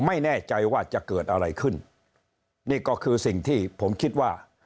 ไม่แน่ใจว่าจะเกิดอะไรขึ้นนี่ก็คือสิ่งที่ผมคิดว่า